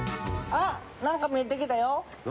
あっ何か見えてきたよ。